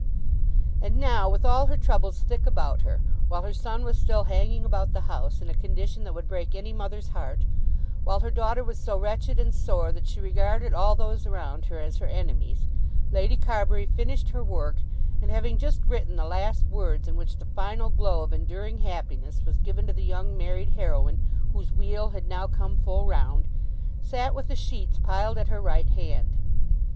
And now with all her troubles thick about her, while her son was still hanging about the house in a condition that would break any mother's heart, while her daughter was so wretched and sore that she regarded all those around her as her enemies, Lady Carbury finished her work, and having just written the last words in which the final glow of enduring happiness was given to the young married heroine whose wheel had now come full round, sat with the sheets piled at her right hand.